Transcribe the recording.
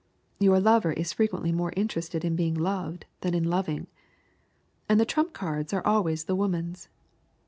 Your lover is frequently more interested in being loved than in loving. And the trump cards are always the woman's.